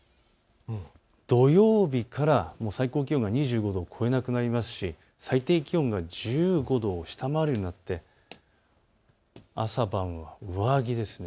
土曜日から最高気温が２５度を超えなくなりますし、最低気温が１５度を下回るようになって、朝晩は上着です。